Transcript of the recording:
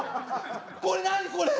これ何これ！？